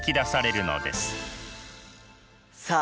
さあ